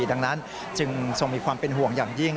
ดังนั้นจึงทรงมีความเป็นห่วงอย่างยิ่ง